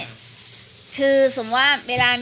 คือในให้เรื่องที่ทำเป็นแบบนี้